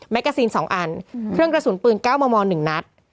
แมกกาซินสองอันเครื่องกระสุนปืนเก้ามอมอหนึ่งนัด